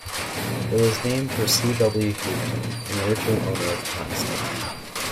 It was named for C. W. Houghton, an original owner of the town site.